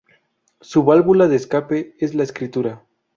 Su válvula de escape es la escritura.